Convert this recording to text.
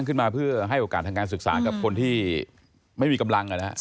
ขึ้นมาเพื่อให้โอกาสทางการศึกษากับคนที่ไม่มีกำลัง